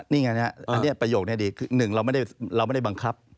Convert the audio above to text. นี่ไงประโยคนี่ดี๑รอบไม่ได้บังคับ